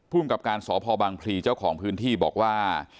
กับการสพบังพลีเจ้าของพื้นที่บอกว่า